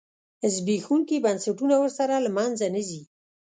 زبېښونکي بنسټونه ورسره له منځه نه ځي.